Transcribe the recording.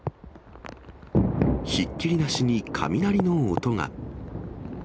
ひっきりなしに雷の音が。